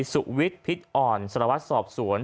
สุวิทย์พิษอ่อนสลวัสดิ์สอบสวน